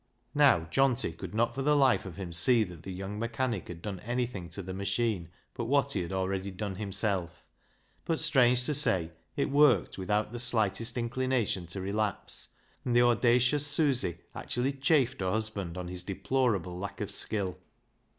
Now, Johnty could not for the life of him see that the young mechanic had done anything to the machine but what he had already done himself. But, strange to say, it worked without the slightest inclination to relapse, and the audacious Susy actually chaffed her husband on his deplorable lack of skill.